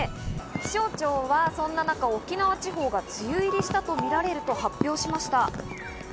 気象庁はそんな中、沖縄地方が梅雨入りしたとみられると発表しました。